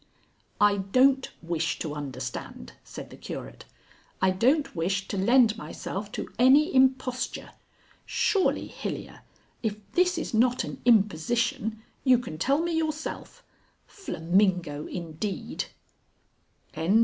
"I don't wish to understand," said the Curate. "I don't wish to lend myself to any imposture. Surely, Hilyer, if this is not an imposition, you can tell me yourself.... Flamingo, indeed!" XVI.